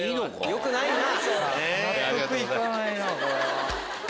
よくないな。